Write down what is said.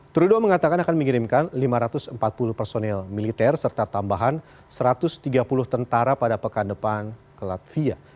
trudeau mengatakan akan mengirimkan lima ratus empat puluh personil militer serta tambahan satu ratus tiga puluh tentara pada pekan depan ke latvia